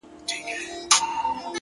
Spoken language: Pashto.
• له هغه وخته چي ما پېژندی ,